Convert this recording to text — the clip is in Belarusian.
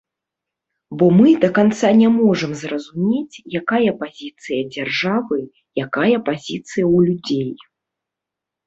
Бо мы да канца не можам зразумець, якая пазіцыя дзяржавы, якая пазіцыя ў людзей.